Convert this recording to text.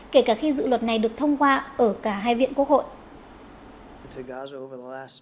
kể cả khi dự luật này được thông qua ở cả hai viện quốc hội